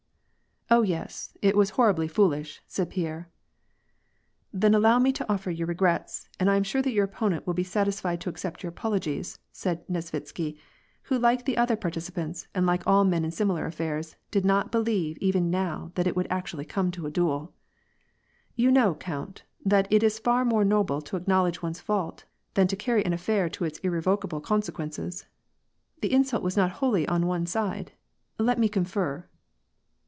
" Oh yes, it was horribly foolish," said Pierre. " Then allow me to offer your regrets, and I am sure that your op]X)nent will be satisfied to accept your apologies," said Nesvitsky, who like the other participants, and like all men in similar . affairs, did not believe even now that it would actually come to a duel. —" You know count, that it is far more noble to acknowledge one's fault, than to carry an affair to its irrevocable consequences. The insult was not wholly on one side. Let me confer."